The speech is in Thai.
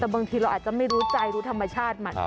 แต่บางทีเราอาจจะไม่รู้ใจรู้ธรรมชาติมัน